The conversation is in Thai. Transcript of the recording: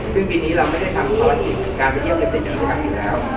ซึ่งปีนี้เราไม่ได้ทำภาวะกิจการไปเยี่ยมเงินสิทธิ์อยู่แล้ว